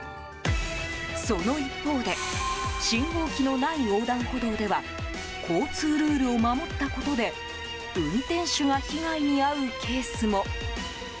その一方で信号機のない横断歩道では交通ルールを守ったことで運転手が被害に遭うケースも。